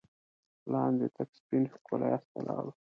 لاندې تک سپين ښکلی آس ولاړ و.